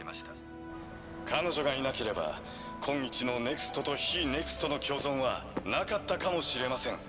彼女がいなければ今日のＮＥＸＴと非ＮＥＸＴの共存はなかったかもしれません。